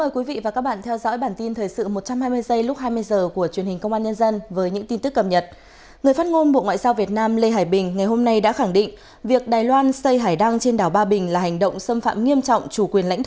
các bạn hãy đăng ký kênh để ủng hộ kênh của chúng mình nhé